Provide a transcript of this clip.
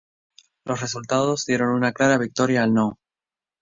Los resultados dieron una clara victoria al "no".